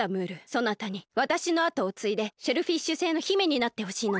そなたにわたしのあとをついでシェルフィッシュ星の姫になってほしいのだ。